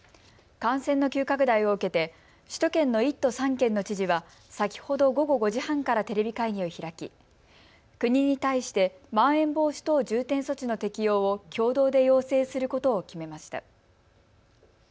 感染の急拡大を受けて首都圏の１都３県の知事は、先ほど午後５時半からテレビ会議を開き、国に対してまん延防止等重点措置の適用を共同で要請することを決めました。